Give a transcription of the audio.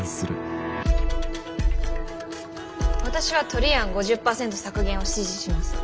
私はトリ案５０％削減を支持します。